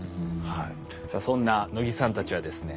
さあそんな能木さんたちはですね